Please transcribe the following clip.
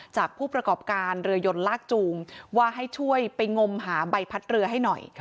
ผู้ประกอบการเรือยนลากจูงว่าให้ช่วยไปงมหาใบพัดเรือให้หน่อย